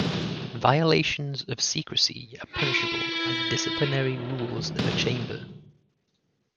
Violations of secrecy are punishable by the disciplinary rules of a chamber.